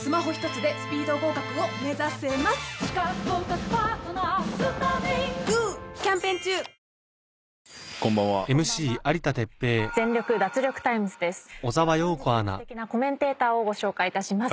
では本日のすてきなコメンテーターをご紹介いたします。